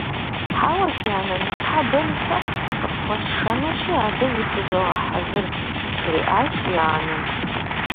Хьэуэ, си анэ, ныщхьэбэ нысэ къыпхуэсшэнущи, абы зыхузогъэхьэзыр, - жриӀащ и анэм.